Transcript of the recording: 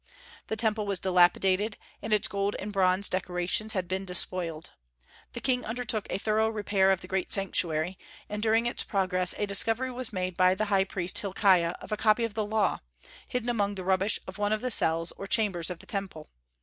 The Temple was dilapidated, and its gold and bronze decorations had been despoiled. The king undertook a thorough repair of the great Sanctuary, and during its progress a discovery was made by the high priest Hilkiah of a copy of the Law, hidden amid the rubbish of one of the cells or chambers of the Temple.